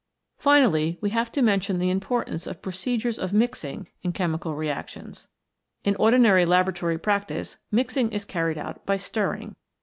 Finally, we have to mention the importance of procedures of mixing in chemical reactions. In ordinary laboratory practice mixing is carried out by stirring.